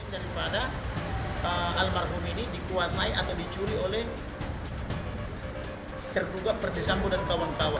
harus ini daripada almarhum ini dikuasai atau dicuri oleh terduga perdesambu dan kawan kawan